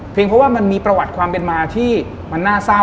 เพราะว่ามันมีประวัติความเป็นมาที่มันน่าเศร้า